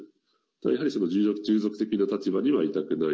やはり従属的な立場にはいたくない。